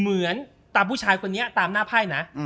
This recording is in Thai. เป็นตามผู้ชายชายตามหน้าไพ่